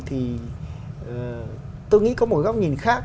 tôi nghĩ có một góc nhìn khác